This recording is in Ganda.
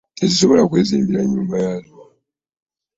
Tezisobola kwezimbira nnyumba yaazo.